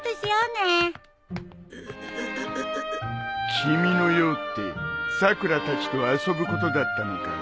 君の用ってさくらたちと遊ぶことだったのかい？